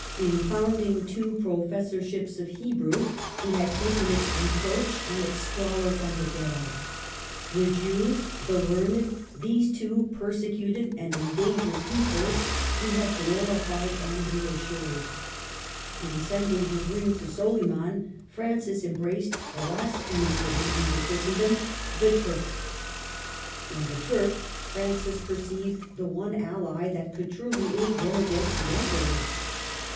In founding two Professor ships of Hebrew, he had taken its reproach and its squalor from the Ghetto. The Jews, the learned, these two persecuted and endangered peoples he had glorified and reassured. In sending his ring to Soliman, Francis embraced the last enemy of mediaeval Christendom, — the Turk. In the Turk Francis perceived the one ally that could truly aid him against the Emperor.